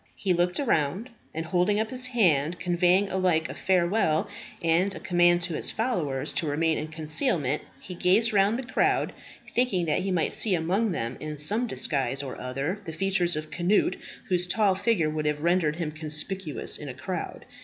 He looked around, and holding up his hand, conveying alike a farewell and a command to his followers to remain in concealment, he gazed round the crowd, thinking that he might see among them in some disguise or other the features of Cnut, whose tall figure would have rendered him conspicuous in a crowd.